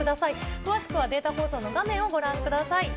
詳しくはデータ放送の画面をご覧ください。